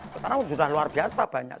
sekarang sudah luar biasa banyak